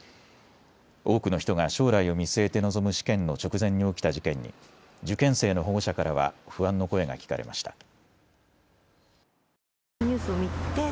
多くの人が将来を見据えて臨む試験の直前に起きた事件に受験生の保護者からは不安の声が聞かれました。